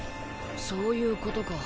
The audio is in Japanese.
そういうことか。